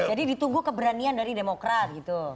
jadi ditunggu keberanian dari demokrat